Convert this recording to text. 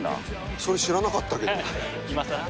それ知らなかったけど。